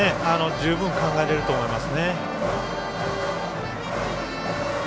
十分考えられると思います。